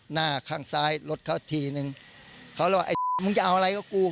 หน้าข้างซ้ายรถเขาทีนึงเขาเลยว่าไอ้มึงจะเอาอะไรก็กู